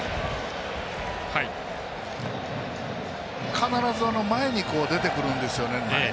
必ず前に出てくるんですよね。